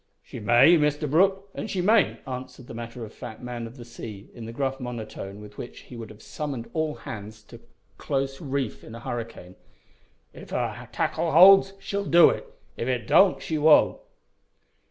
"She may, Mr Brooke, an' she mayn't," answered the matter of fact man of the sea, in the gruff monotone with which he would have summoned all hands to close reef in a hurricane. "If her tackle holds she'll do it. If it don't she won't."